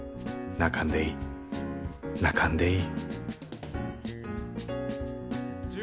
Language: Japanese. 泣かんでいい泣かんでいい。